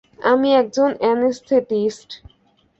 আমি একজন অ্যানেস্থেটিস্ট।